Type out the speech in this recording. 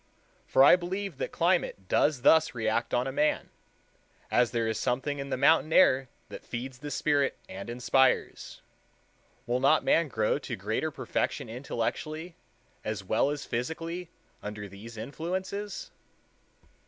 For I believe that climate does thus react on man—as there is something in the mountain air that feeds the spirit and inspires. Will not man grow to greater perfection intellectually as well as physically under these influences?